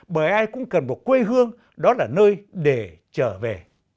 bởi ai cũng cần một quê hương đó là nơi để trở về